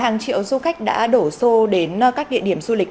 hàng triệu du khách đã đổ xô đến các địa điểm du lịch